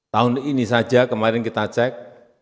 tahun ini saja kemarin kita cek